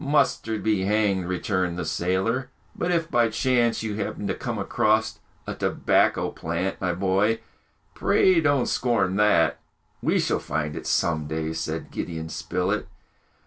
"Mustard be hanged!" returned the sailor; "but if by chance you happen to come across a tobacco plant, my boy, pray don't scorn that!" "We shall find it some day!" said Gideon Spilett.